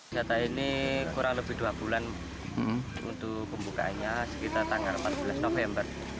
data ini kurang lebih dua bulan untuk pembukaannya sekitar tanggal empat belas november